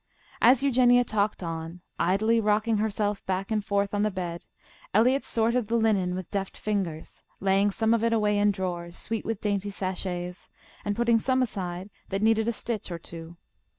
As Eugenia talked on, idly rocking herself back and forth on the bed, Eliot sorted the linen with deft fingers, laying some of it away in drawers, sweet with dainty sachets, and putting some aside that needed a stitch or two.